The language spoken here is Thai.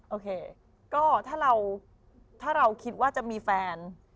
โอเคก็ถ้าเราคิดว่าจะมีแฟน